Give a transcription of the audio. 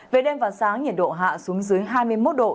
về đêm và sáng nhiệt độ hạ xuống dưới hai mươi một độ